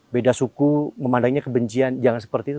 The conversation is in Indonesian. beda suku memandangnya kebencian jangan seperti itu